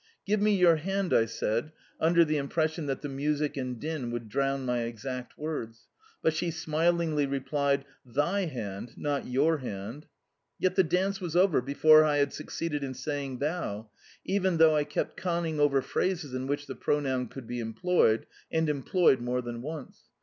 "Give me your hand," I said, under the impression that the music and din would drown my exact words, but she smilingly replied, "THY hand, not YOUR hand." Yet the dance was over before I had succeeded in saying THOU, even though I kept conning over phrases in which the pronoun could be employed and employed more than once.